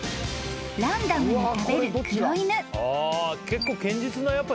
［ランダムに食べる黒犬］